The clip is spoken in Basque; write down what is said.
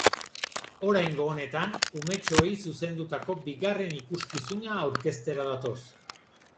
Oraingo honetan, umetxoei zuzendutako bigarren ikuskizuna aurkeztera datoz.